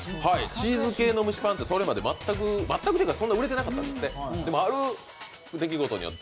チーズ系の蒸しパンってそれまで全く売れてなかったんですって。